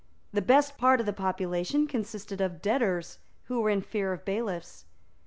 The best part of the population consisted of debtors who were in fear of bailiffs.